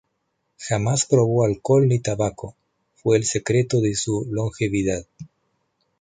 Jamás probó alcohol ni tabaco, fue el secreto de su longevidad.